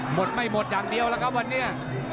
หมดไม่หมดอย่างเดียวแล้วครับวันนี้